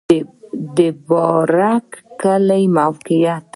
د بارک کلی موقعیت